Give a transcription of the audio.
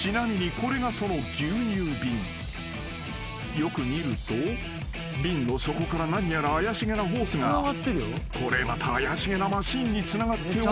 ［よく見ると瓶の底から何やら怪しげなホースがこれまた怪しげなマシンにつながっており］